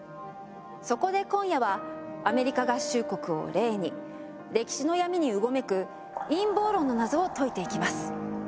そこで今夜はアメリカ合衆国を例に歴史の闇にうごめく陰謀論の謎を解いていきます。